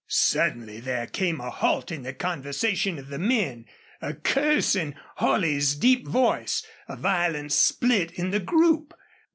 Suddenly there came a halt in the conversation of the men, a curse in Holley's deep voice, a violent split in the group.